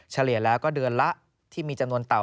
เฉลี่ยแล้วก็เดือนละที่มีจำนวนเต่า